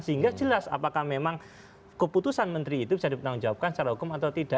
sehingga jelas apakah memang keputusan menteri itu bisa dipertanggungjawabkan secara hukum atau tidak